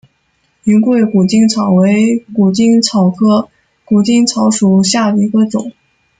云贵谷精草为谷精草科谷精草属下的一个种。